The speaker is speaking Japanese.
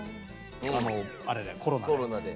あれでコロナで。